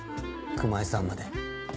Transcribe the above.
熊井さんまで。